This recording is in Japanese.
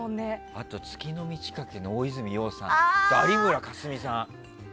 あと「月の満ち欠け」の大泉洋さんと有村架純さん。